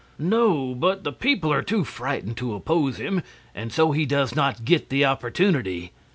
"No; but the people are too frightened to oppose him, and so he does not get the opportunity.